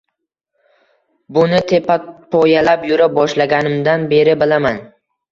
Buni tetapoyalab yura boshlaganimdan beri bilaman